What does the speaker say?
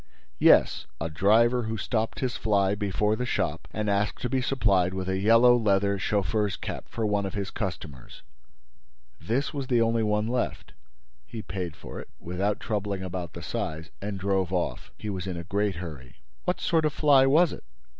"Yes, a driver who stopped his fly before the shop and asked to be supplied with a yellow leather chauffeur's cap for one of his customers. This was the only one left. He paid for it, without troubling about the size, and drove off. He was in a great hurry." "What sort of fly was it?"